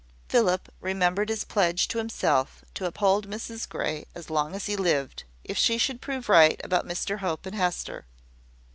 Philip remembered his pledge to himself to uphold Mrs Grey as long as he lived, if she should prove right about Mr Hope and Hester.